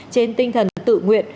trên tinh thần tự nguyện